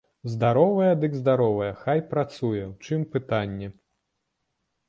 Здаровая, дык здаровая, хай працуе, у чым пытанне.